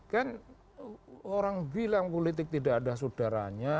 kan orang bilang politik tidak ada saudaranya